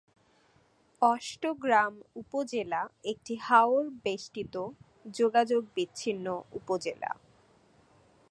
অষ্টগ্রাম উপজেলা একটি হাওড় বেষ্টিত যোগাযোগ বিচ্ছিন্ন উপজেলা।